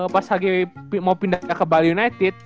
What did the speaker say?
pas lagi mau pindah ke bali united